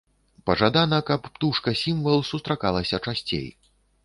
Пажадана, каб птушка-сімвал сустракалася часцей.